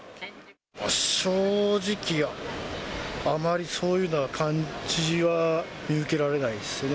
正直、あまりそういう感じは見受けられないですよね。